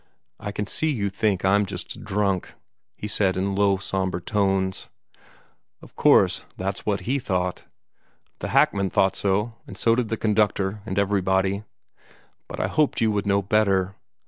"I can see you think I'm just drunk," he said, in low, sombre tones. "Of course that's what HE thought. The hackman thought so, and so did the conductor, and everybody. But I hoped you would know better.